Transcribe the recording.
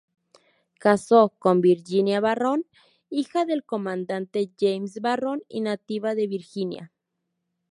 Casó con Virginia Barron, hija del comandante James Barron y nativa de Virginia.